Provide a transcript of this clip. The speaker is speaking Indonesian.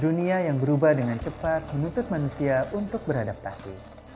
dunia yang berubah dengan cepat menuntut manusia untuk beradaptasi